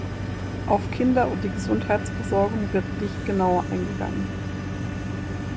Auf Kinder und die Gesundheitsversorgung wird nicht genauer eingegangen.